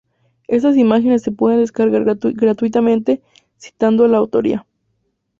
Estas imágenes se pueden descargar gratuitamente, citando la autoría.